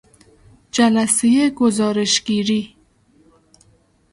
جلسهی گزارشگیری